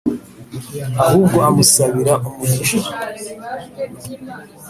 ahubwo amusabira umugisha.